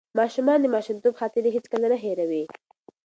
ماشومان د ماشومتوب خاطرې هیڅکله نه هېروي.